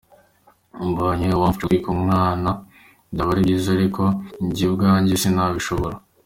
Mbonye uwamfasha gutwita umwana byaba ari byiza ariko njye ubwanjye sinabishobora.